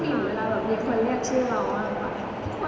ที่มีความรู้สึกกว่าที่มีความรู้สึกกว่า